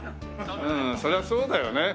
うんそりゃそうだよね。